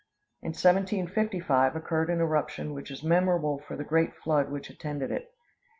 In 1755 occurred an eruption which is memorable for the great flood which attended it.